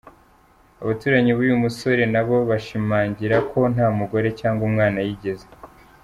Abaturanyi b’uyu musore nabo bashimangira ko nta mugore cyangwa umwana yigeze.